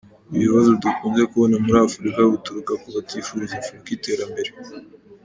“Ibibazo dukunze kubona muri Afurika buturuka ku batifuriza Afurika iterambere.